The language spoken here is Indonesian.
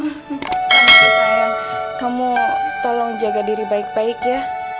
tante sayang kamu tolong jaga diri baik baik ya